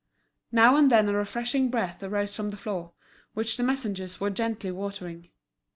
Now and then a refreshing breath arose from the floor, which the messengers were gently watering.